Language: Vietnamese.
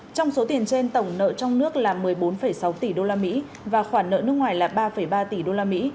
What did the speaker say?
trong số tiền trên tổng nợ trong nước là một mươi bốn sáu tỷ đô la mỹ và khoản nợ nước ngoài là ba ba tỷ đô la mỹ